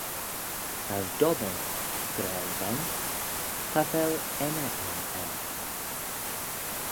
As dob eh, gra, Ven, cha vel enney aym er.